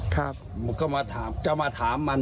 ก็มาถามมัน